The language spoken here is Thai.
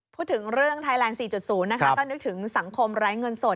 พูดถึงเรื่องไทยแลนด์๔๐นะคะก็นึกถึงสังคมไร้เงินสด